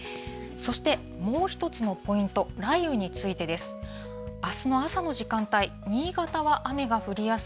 そしてもう１つのポイント、雷雨についてです。